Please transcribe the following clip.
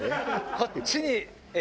こっちに。